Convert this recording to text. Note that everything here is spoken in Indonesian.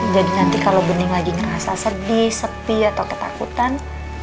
jadi nanti kalau bening lagi merasa sedih sepi atau ketakutan